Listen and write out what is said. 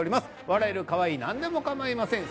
笑えるカワイイ何でも構いません